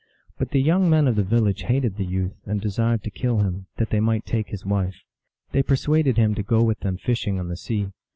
But the young men of the village hated the youth, and desired to kill him, that they might take his wife. They persuaded him to go with them fishing on the sea.